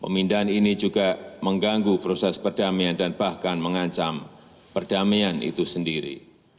pemindahan ini juga mengganggu proses perdamaian dan bahkan mengancam perdamaian itu sendiri